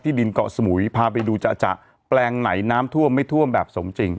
ดินเกาะสมุยพาไปดูจะแปลงไหนน้ำท่วมไม่ท่วมแบบสมจริง